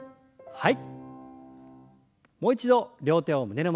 はい。